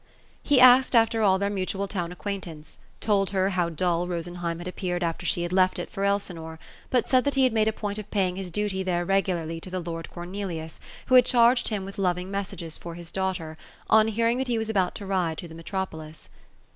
He asked after all their mutual town aoqnaintance ; told her how dull Rosenheim had appeared after she had left it for Elsinore ; but said that he had made a point of paying his duty there regularly to the lord Cor nelius, who had charged him with loving messages for his daughter, on hearing that he was about to ride to the metropolis.